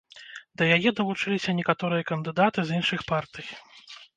Да яе далучыліся некаторыя кандыдаты з іншых партый.